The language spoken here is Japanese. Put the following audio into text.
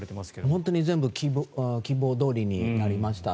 本当に全部希望どおりになりました。